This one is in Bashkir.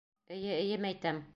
Эйе, эйе, мәйтәм.